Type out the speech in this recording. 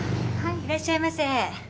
いらっしゃいませ。